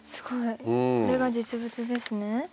これが実物ですね。